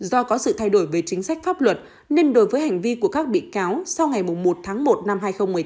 do có sự thay đổi về chính sách pháp luật nên đối với hành vi của các bị cáo sau ngày một tháng một năm hai nghìn một mươi tám